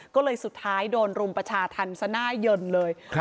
ก็เลยสุดท้ายโดนรุมประชาธรรมสน่าเย็นเลยครับ